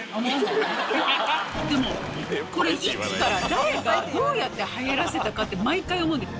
でもこれいつから誰がどうやって流行らせたかって毎回思うんですよ。